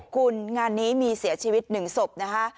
คุณงานนี้มีเสียชีวิต๑ศพนะคะ